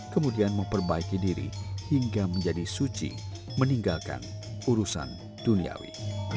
kemudian memperbaiki diri hingga menjadi suci meninggalkan urusan duniawi